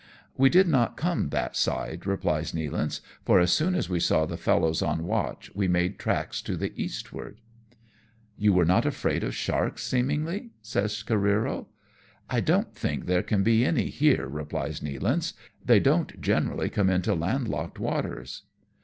" We did not come that side," replies Nealance, " for as soon as we saw the fellows on watch we made tracks to the eastward." 154 AMONG TYPHOONS AND PIRATE CRAFT. " You are not afraid of sharksj seemingly ?" says Careero. " I don't think there can be any here," replies Nealance ;" they don't generally come into land locked waters."